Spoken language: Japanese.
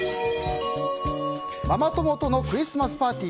ママ友とのクリスマスパーティー。